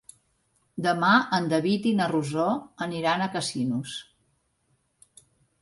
Demà en David i na Rosó aniran a Casinos.